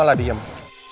tidak ada apa apa